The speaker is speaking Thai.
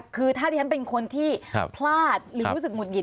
คือถ้าที่ฉันเป็นคนที่พลาดหรือรู้สึกหุดหิ